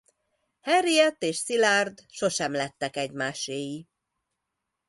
Henriette és Szilárd sosem lettek egymáséi.